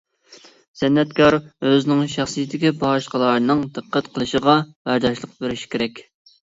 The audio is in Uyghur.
سەنئەتكار ئۆزىنىڭ شەخسىيىتىگە باشقىلارنىڭ دىققەت قىلىشىغا بەرداشلىق بېرىشى كېرەك.